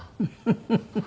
フフフフ。